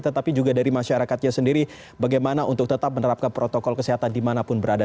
tetapi juga dari masyarakatnya sendiri bagaimana untuk tetap menerapkan protokol kesehatan dimanapun berada